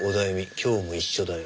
今日も一緒だよ」